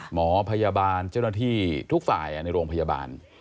หมอพยาบาลเจ้าหน้าที่ทุกฝ่ายในโรงพยาบาล